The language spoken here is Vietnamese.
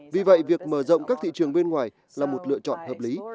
vì vậy việc mở rộng các thị trường bên ngoài là một lựa chọn hợp lý